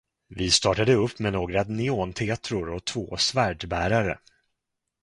Vi startade upp med några neontetror och två svärdbärare.